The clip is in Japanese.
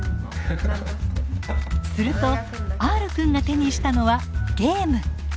するとＲくんが手にしたのはゲーム。